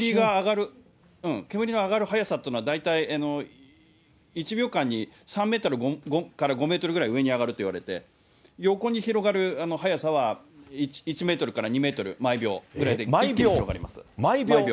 煙が上がる速さというのは、大体１秒間に３メートルから５メートルぐらい上に上がるといわれて、横に広がる速さは１メートルから２メートル、毎秒くらいで広がります。